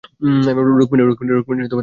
রুকমিনি, তুমিও বুঝার চেষ্টা করো।